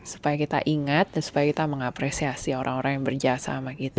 supaya kita ingat dan supaya kita mengapresiasi orang orang yang berjasa sama kita